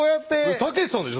たけしさんでしょ？